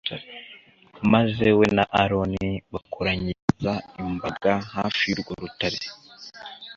maze we na aroni bakoranyiriza imbaga hafi y’urwo rutare.